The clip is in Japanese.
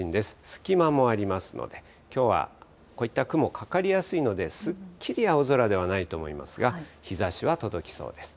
隙間もありますので、きょうはこういった雲、かかりやすいので、すっきり青空ではないと思いますが、日ざしは届きそうです。